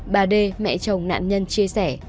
bà đê mẹ chồng nạn nhân chia sẻ